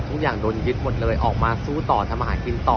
ทุกอย่างโดนยึดหมดเลยออกมาสู้ต่อทำอาหารกินต่อ